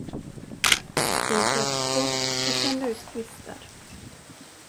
Den sköt skott och sände ut kvistar.